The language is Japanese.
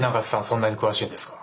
そんなに詳しいんですか？